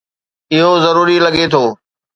اهو ضروري لڳي ٿو